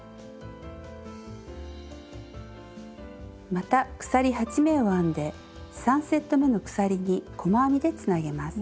また鎖８目を編んで３セットめの鎖に細編みでつなげます。